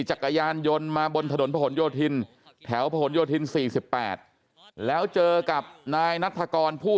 จักรยานยนต์มาบนถนนผนโยธินแถวผนโยธิน๔๘แล้วเจอกับนายนัฐกรผู้